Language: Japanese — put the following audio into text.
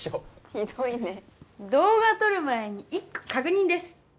ひどいね動画撮る前に１個確認です